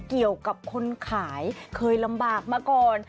เกี่ยวกับคนขายเคยลำบากมาก่อน